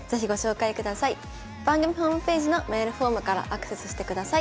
番組ホームページのメールフォームからアクセスしてください。